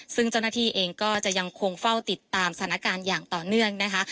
ซึ่งเจ้าหน้าที่เองก็จะยังคงเฝ้าติดตามสถานการณ์อย่างต่อเนื่องนะคะ